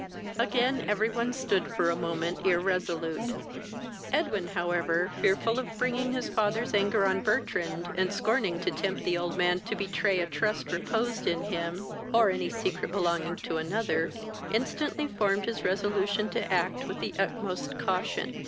Again every one stood for a moment irresolute. Edwin, however, fearful of bringing his father's anger on Bertrand, and scorning to tempt the old man to betray and trust reposed in him, or any secret belonging to another, instantly formed his resolution to act with the utmost caution.